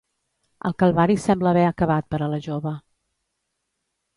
El calvari sembla haver acabat per a la jove.